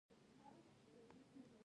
پښتون په میړانه سوله کوي.